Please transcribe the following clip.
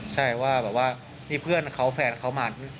ใช่ว่านี่เพื่อนเขาแฟนเขามา